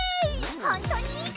ほんとにいいか！？